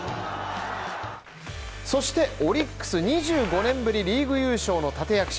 そして、オリックス２５年ぶりリーグ優勝の立役者